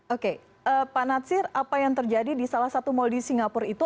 oke pak natsir apa yang terjadi di salah satu mal di singapura itu